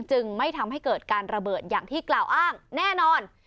จึงไม่ทำให้เกิดการระเบิดอย่างที่กล่าวอ้างแน่นอน